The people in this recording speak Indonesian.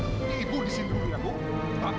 maksudnya tahu stitche ini menanggapi pancasila